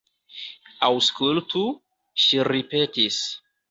Aŭskultu, ŝi ripetis.